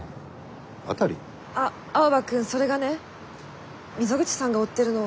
あっ青葉くんそれがね溝口さんが追ってるのは。